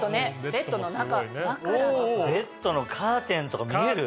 ベッドのカーテンとか見える？